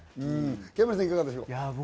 キャンベルさん、いかがでしょう？